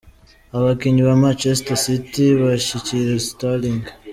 Abakinnyi ba Manchester City bashyigikira Sterling.